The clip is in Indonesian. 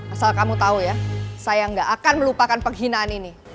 asal kamu tahu ya saya gak akan melupakan penghinaan ini